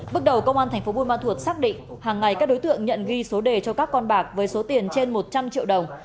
bước đầu công an thành phố buôn ma thuột xác định hàng ngày các đối tượng nhận ghi số đề cho các con bạc với số tiền trên một trăm linh triệu đồng